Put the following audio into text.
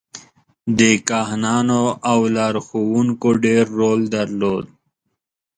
د کاهنانو او لارښوونکو ډېر رول درلود.